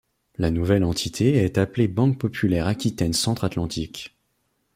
La nouvelle entité est appelée Banque Populaire Aquitaine Centre Atlantique.